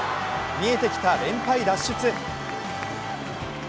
見えてきた連敗脱出。